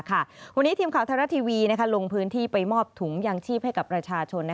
วันนี้ทีมข่าวไทยรัฐทีวีลงพื้นที่ไปมอบถุงยางชีพให้กับประชาชน